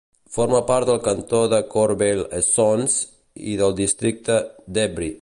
Forma part del cantó de Corbeil-Essonnes i del districte d'Évry.